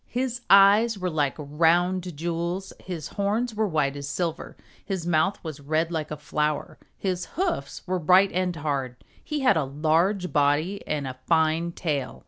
His eyes were like round jewels, his horns were white as silver, his mouth was red like a flower, his hoofs were bright and hard. He had a large body and a fine tail.